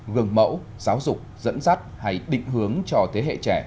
gừng mẫu giáo dục dẫn dắt hay định hướng cho thế hệ trẻ